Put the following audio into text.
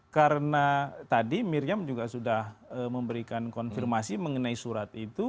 karena tadi miriam juga sudah memberikan konfirmasi mengenai surat itu